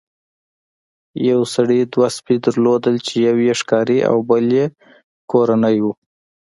یو سړي دوه سپي لرل چې یو یې ښکاري او بل یې کورنی و.